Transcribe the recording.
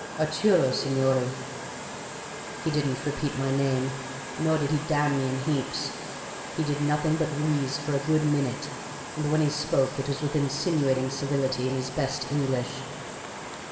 "'Arturo, signorì.' "He didn't repeat my name, nor did he damn me in heaps. He did nothing but wheeze for a good minute, and when he spoke it was with insinuating civility, in his best English.